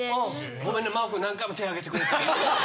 ごめんね真央くん何回も手挙げてくれて。